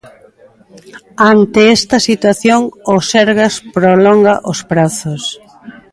Ante esta situación, o Sergas prolonga os prazos.